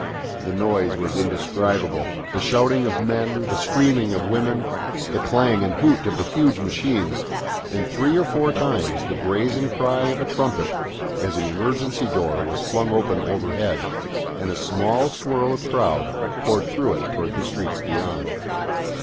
The noise was indescribable, the shouting of men, the screaming of women, the clang and hoot of the huge machines, and three or four times the brazen cry of a trumpet, as an emergency door was flung open overhead, and a small swirl of crowd poured through it towards the streets beyond.